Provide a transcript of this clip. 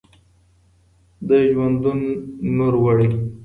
د ژوندون نور وړی